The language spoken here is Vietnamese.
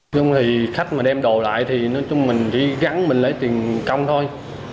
nhưng khách mà đem đồ lại thì nói chung mình gắn mình lấy tiền công thôi